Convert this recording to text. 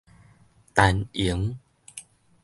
陳瑩